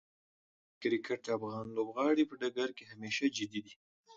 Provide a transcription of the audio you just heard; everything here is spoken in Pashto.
د کرکټ افغان لوبغاړي په ډګر کې همیشه جدي دي.